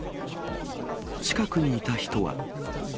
近くにいた人は。